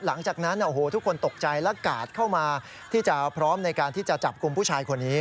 หลังจากนั้นทุกคนตกใจและกาดเข้ามาที่จะพร้อมในการที่จะจับกลุ่มผู้ชายคนนี้